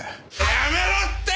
やめろって！